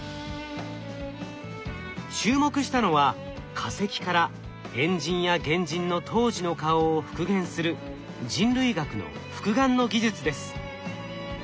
注目したのは化石から猿人や原人の当時の顔を復元する人類学の復顔の技術です。